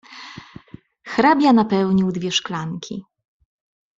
"Hrabia napełnił dwie szklanki."